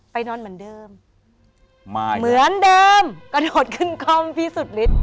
นอนเหมือนเดิมไม่เหมือนเดิมกระโดดขึ้นคล่อมพี่สุดฤทธิ